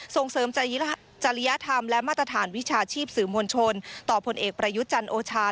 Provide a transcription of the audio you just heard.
ส่งเสริมจริยธรรมและมาตรฐานวิชาชีพสื่อมวลชนต่อพลเอกประยุทธ์จันทร์โอชา